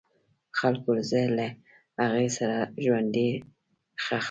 خلکو زه له هغې سره ژوندی خښ کړم.